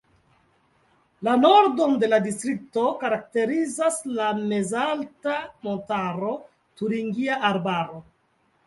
La nordon de la distrikto karakterizas la mezalta montaro Turingia Arbaro.